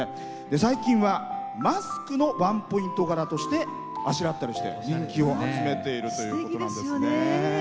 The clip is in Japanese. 最近は、マスクのワンポイント柄としてあしらったりして人気を集めているということなんですね。